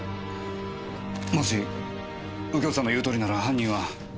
もし右京さんが言うとおりなら犯人は。